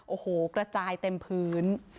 โอ้โหกระจายเต็มพื้น